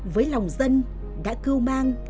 với lòng dân đã cưu mang